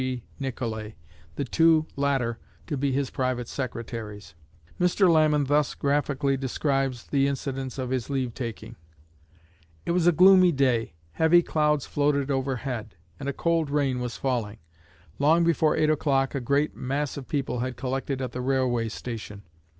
G. Nicolay, the two latter to be his private secretaries. Mr. Lamon thus graphically describes the incidents of his leave taking: "It was a gloomy day; heavy clouds floated overhead, and a cold rain was falling. Long before eight o'clock a great mass of people had collected at the railway station.